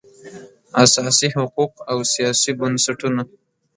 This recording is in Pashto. اساسي حقوق او سیاسي بنسټونه